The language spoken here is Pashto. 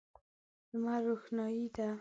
لمر روښنايي ده.